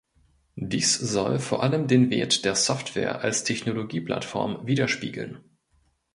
Dies soll vor allem den Wert der Software als Technologie-Plattform widerspiegeln.